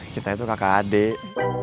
kita itu kakak adik